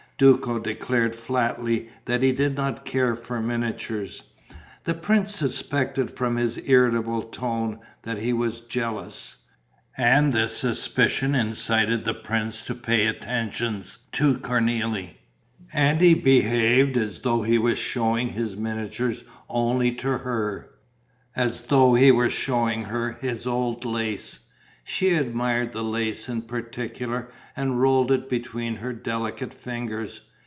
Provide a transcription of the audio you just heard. Duco declared flatly that he did not care for miniatures. The prince suspected from his irritable tone that he was jealous. And this suspicion incited the prince to pay attentions to Cornélie. And he behaved as though he were showing his miniatures only to her, as though he were showing her his old lace. She admired the lace in particular and rolled it between her delicate fingers.